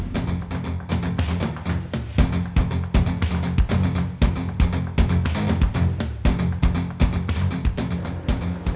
lindungilah keluarga kami